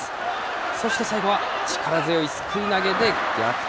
そして最後は、力強いすくい投げで逆転。